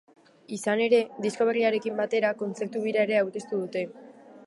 Izan ere, disko berriarekin batera, kontzertu-bira ere aurkeztu dute.